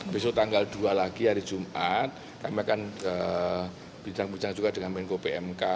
besok tanggal dua lagi hari jumat kami akan bincang bincang juga dengan menko pmk